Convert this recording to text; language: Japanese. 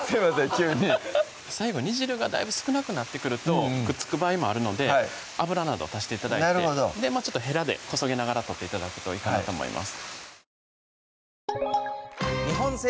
急に最後煮汁がだいぶ少なくなってくるとくっつく場合もあるので油など足して頂いてヘラでこそげながら取って頂くといいかなと思います